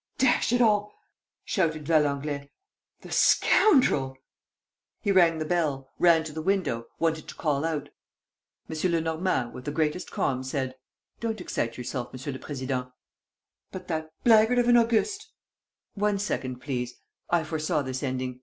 "Dash it all!" shouted Valenglay. "The scoundrel!" He rang the bell, ran to the window, wanted to call out. M. Lenormand, with the greatest calm, said: "Don't excite yourself, Monsieur le Président ..." "But that blackguard of an Auguste ..." "One second, please. ... I foresaw this ending